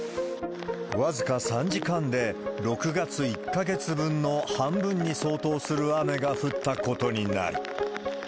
僅か３時間で、６月１か月分の半分に相当する雨が降ったことになる。